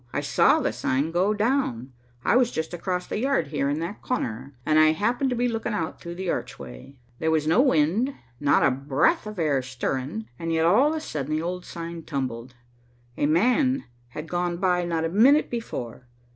I saw the sign go down, I was just across the yard here in that corner, and I happened to be looking out through the archway. There was no wind, not a breath of air stirring, and yet, all of a sudden, the old sign tumbled. A man had gone by not a minute before.